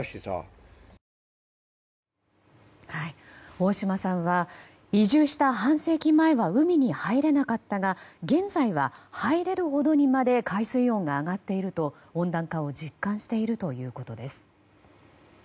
大島さんは移住した半世紀前は海に入れなかったが現在は入れるほどにまで海水温が上がっていると温暖化を実感しているということです。